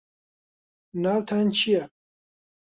ناوتان چییە؟